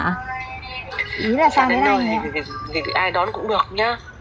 dạ đến nơi thì ai đón cũng được nhá